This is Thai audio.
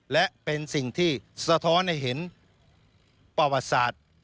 และเป็นสิ่งที่สะท้อนให้เห็นประวัติศาสตร์